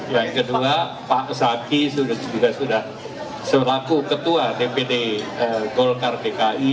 yang kedua pak saki juga sudah selaku ketua dpt golkar dki